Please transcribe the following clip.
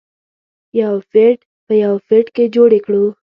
یو فټ په یو فټ کې جوړې کړو.